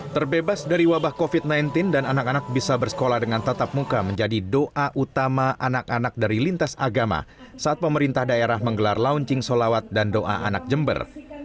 terbebas dari wabah covid sembilan belas dan anak anak bisa bersekolah dengan tatap muka menjadi doa utama anak anak dari lintas agama saat pemerintah daerah menggelar launching solawat dan doa anak jember